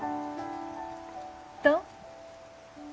どう？